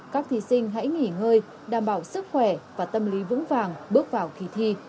các thí sinh hãy nghỉ ngơi đảm bảo sức khỏe và tâm lý vững vàng bước vào kỳ thi